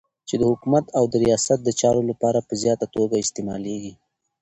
چی د حکومت او د ریاست دچارو لپاره په زیاته توګه استعمالیږی